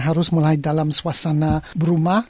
harus mulai dalam suasana berumah